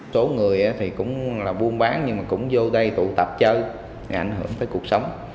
số người thì cũng là buôn bán nhưng mà cũng vô đây tụ tập chơi ảnh hưởng tới cuộc sống